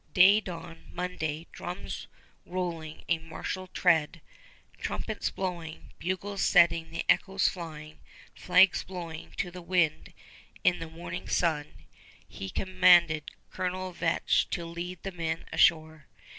Day dawn, Monday, drums rolling a martial tread, trumpets blowing, bugles setting the echoes flying, flags blowing to the wind in the morning sun, he commanded Colonel Vetch to lead the men ashore.